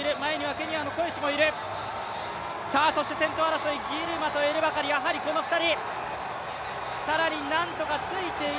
先頭争い、ギルマとエルバカリ、やはりこの２人。